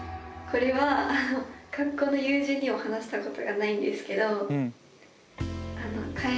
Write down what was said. これは学校の友人にも話したことがないんですけどえ